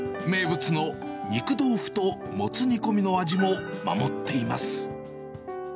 名物の肉豆腐ともつ煮込みの味も、守っています。